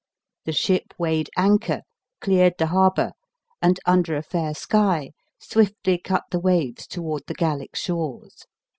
The ship weighed anchor, cleared the harbor, and, under a fair sky, swiftly cut the waves toward the Gallic shores.